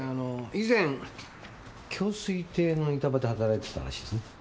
以前京粋亭の板場で働いてたらしいですね。